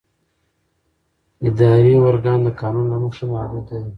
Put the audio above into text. اداري ارګان د قانون له مخې محدود دی.